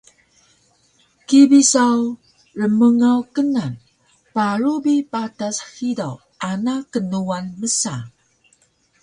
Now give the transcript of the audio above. kibi saw rmngaw knan “purug bi patas hidaw ana knuwan” msa